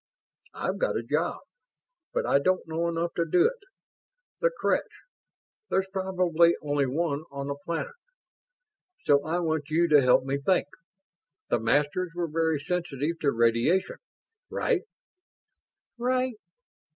"I've got a job, but I don't know enough to do it. The creche there's probably only one on the planet. So I want you to help me think. The Masters were very sensitive to radiation. Right?" "Right.